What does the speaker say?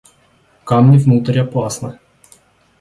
Камни внутрь опасно!